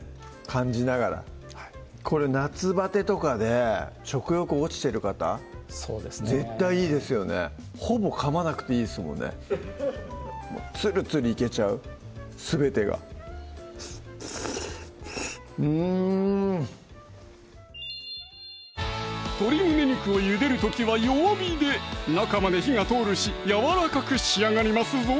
感じながらこれ夏バテとかで食欲落ちてる方そうですね絶対いいですよねほぼかまなくていいですもんねツルツルいけちゃうすべてがうん鶏胸肉をゆでる時は弱火で中まで火が通るしやわらかく仕上がりますぞ